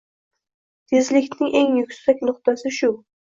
Tezlikning eng yuksak nuqtasi — shu!